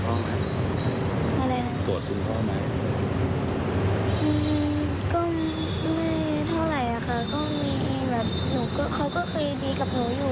แต่ยังไงไม่ได้ยากถึงแม้รับหรือว่า